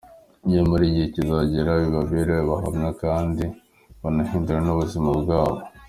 Nyamara igihe kizagera babibere abahamya kandi banahindure n’ubuzima bwabo.